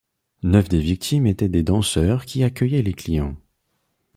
Neuf des victimes étaient des danseurs qui accueillaient les clients.